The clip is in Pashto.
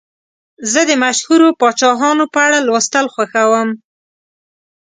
زه د مشهورو پاچاهانو په اړه لوستل خوښوم.